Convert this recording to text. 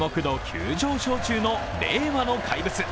急上昇中の令和の怪物。